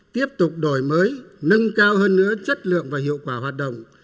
tiếp tục đổi mới nâng cao hơn nữa chất lượng và hiệu quả hoạt động